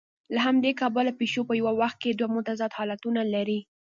له همدې کبله پیشو په یوه وخت کې دوه متضاد حالتونه لري.